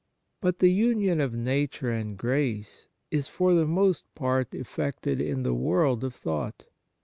But the union of nature and grace is, for the most part, effected in the world of thought.